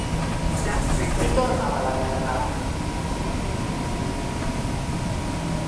Qui torna de la guerra?